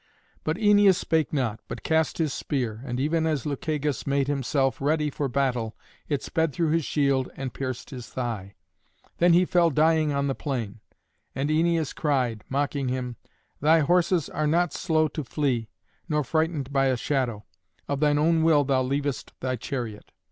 But Æneas spake not, but cast his spear, and even as Lucagus made himself ready for battle it sped through his shield and pierced his thigh. Then he fell dying on the plain. And Æneas cried, mocking him, "Thy horses are not slow to flee, nor frightened by a shadow. Of thine own will thou leavest thy chariot."